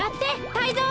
タイゾウ！